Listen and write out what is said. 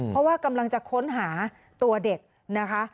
เพราะว่ากำลังจะค้นหาตัวเด็กนะคะ